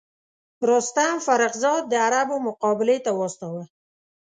رستم فرُخ زاد د عربو مقابلې ته واستاوه.